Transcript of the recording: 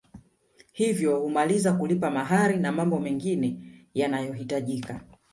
Hivyo kumaliza kulipa mahari na mambo mengine yanayohitajika